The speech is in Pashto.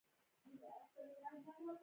ایا ستاسو بریالیتوب یقیني نه دی؟